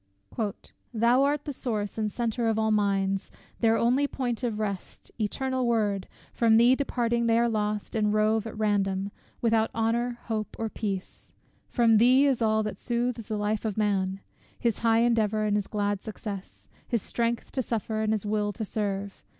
Thou art the source and center of all minds, Their only point of rest, ETERNAL WORD From thee departing, they are lost, and rove At random, without honour, hope, or peace: From thee is all that soothes the life of man; His high endeavour, and his glad success; His strength to suffer, and his will to serve.